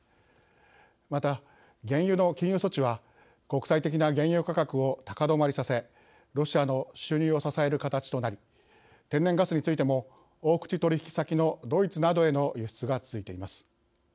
また、原油の禁輸措置は国際的な原油価格を高止まりさせロシアの収入を支える形となり天然ガスについても大口取引先のドイツなどへの輸出が続いています。